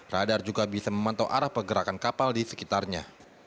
radar juga bisa memantau arah pergerakan kapal di sekitarnya